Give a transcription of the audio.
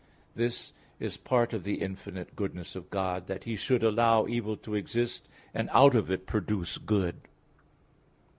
This is part of the infinite goodness of God, that He should allow evil to exist, and out of it produce good.